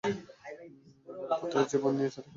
নিজের পুত্রের জীবন নিয়ে ছেলেখেলা করছেন?